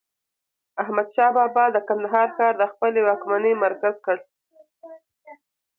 احمد شاه بابا د کندهار ښار د خپلي واکمنۍ مرکز کړ.